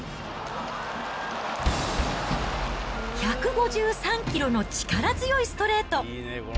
１５３キロの力強いストレート。